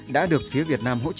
đã được phía việt nam hỗ trợ